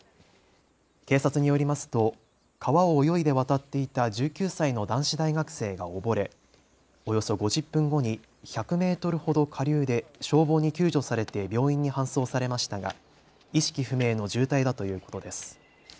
警察によりますと川を泳いで渡っていた１９歳の男子大学生が溺れおよそ５０分後に１００メートルほど下流で消防に救助されて病院に搬送されましたが意識不明の重体だということです。